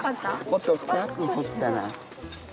もっと深く掘ったら。